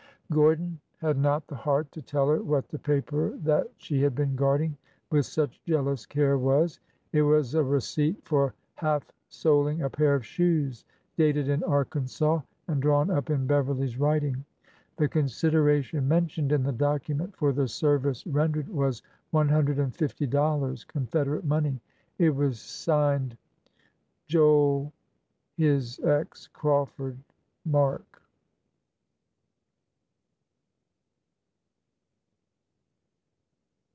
" Gordon had not the heart to tell her what the paper that she had been guarding with such jealous care was. It was a receipt for half soling a pair of shoes, dated in Arkansas, and drawn up in Beverly's writing. The con sideration mentioned in the document for the service ren dered was one hundred and fifty dollars, Confederate money. It was signed : his Joel X Crawford mark.